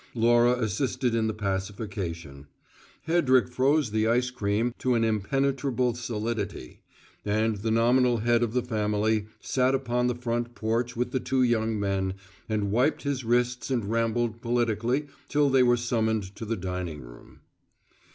Laura assisted in the pacification; Hedrick froze the ice cream to an impenetrable solidity; and the nominal head of the family sat upon the front porch with the two young men, and wiped his wrists and rambled politically till they were summoned to the dining room.